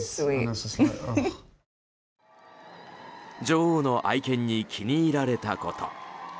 女王の愛犬に気に入られたこと。